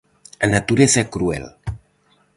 A natureza é cruel.